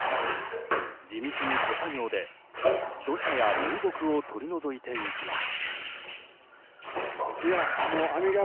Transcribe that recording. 地道に手作業で、土砂や流木を取り除いていきます。